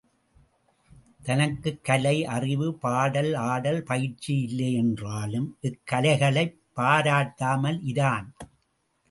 தனக்குக் கலை அறிவு, பாடல், ஆடல் பயிற்சி இல்லை என்றாலும், இக்கலைகளைப் பாராட்டாமல் இரான்.